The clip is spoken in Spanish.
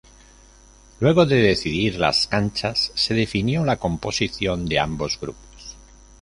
Luego de decidir las canchas se definió la composición de ambos grupos.